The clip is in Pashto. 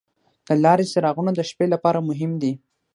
د لارې څراغونه د شپې لپاره مهم دي.